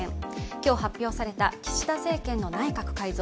今日発表された岸田政権の内閣改造